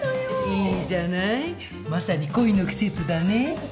いいじゃないまさに恋の季節だね。